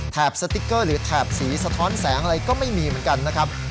สติ๊กเกอร์หรือแถบสีสะท้อนแสงอะไรก็ไม่มีเหมือนกันนะครับ